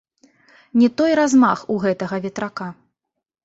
Не той размах у гэтага ветрака.